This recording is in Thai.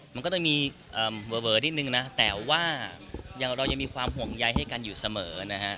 มันก็จะมีเวอนิดนึงนะแต่ว่าเรายังมีความห่วงใยให้กันอยู่เสมอนะฮะ